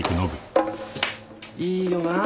いいよなあ